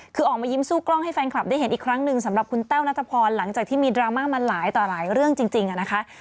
คือออกมายิ้มสู้กล้องให้แฟนคลับได้เห็นอีกครั้งหนึ่งสำหรับคุณแต้วนัทพรหลังจากที่มีดราม่ามาหลายต่อหลายเรื่องจริงนะคะ